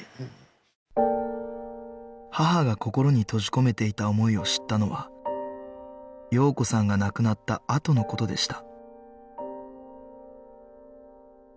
母が心に閉じ込めていた思いを知ったのは洋子さんが亡くなったあとの事でした